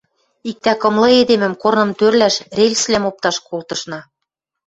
Иктӓ кымлы эдемӹм корным тӧрлӓш – рельсвлӓм опташ – колтышна.